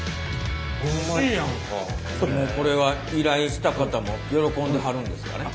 これは依頼した方も喜んではるんですかね？